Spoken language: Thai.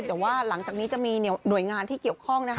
แต่ว่าหลังจากนี้จะมีหน่วยงานที่เกี่ยวข้องนะคะ